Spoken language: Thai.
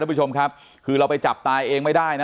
คุณผู้ชมครับคือเราไปจับตายเองไม่ได้นะ